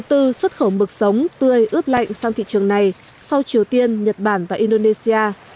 trong bốn nước xuất khẩu mực sống tươi ướp lạnh sang thị trường này sau triều tiên nhật bản và indonesia